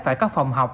phải có phòng học